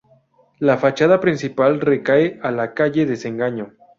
La fachada principal recae a la calle Desengaño.